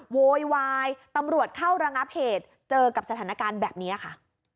โวยวายตำรวจเข้าระงับเหตุเจอกับสถานการณ์แบบนี้ค่ะ